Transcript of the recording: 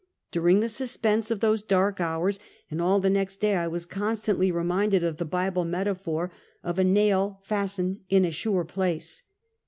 During the suspense of those dark hours, and all the next day I was constantly reminded of the Bible metaphor of "a nail fastened in a sure place."